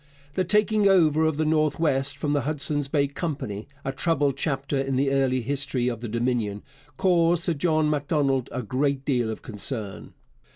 The taking over of the North West from the Hudson's Bay Company a troubled chapter in the early history of the Dominion caused Sir John Macdonald a great deal of concern.